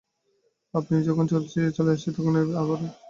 আমি যখন চলে আসছি তিনি আবার বলে উঠলেন, আমার আর-একটু সামান্য দরকার আছে।